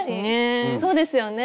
そうですね。